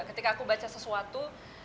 ketika aku baca sesuatu